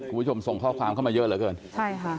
คุณผู้ชมส่งข้อความเข้ามาเยอะเหลือเกินใช่ค่ะ